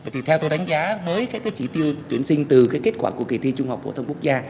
thì theo tôi đánh giá với các cái chỉ tiêu tuyển sinh từ cái kết quả của kỳ thi trung học phổ thông quốc gia